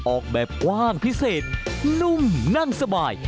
ออกแบบกว้างพิเศษนุ่มแน่นสบาย